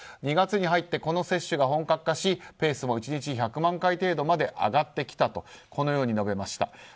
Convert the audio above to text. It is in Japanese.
２月に入ってこの接種が本格化しペースも１日１００万回程度まで上がってきたと述べました。